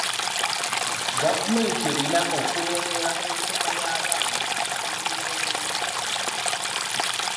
Gavumenti erina pkulondoola ensoma y'abaana abanoonyiboobubudamu.